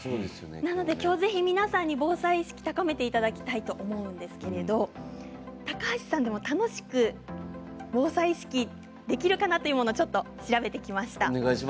なので今日はぜひ皆さんに防災意識を高めていただきたいと思うんですけれども高橋さん、楽しく防災意識できるかなというもの調べてみました。